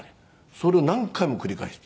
それを何回も繰り返して。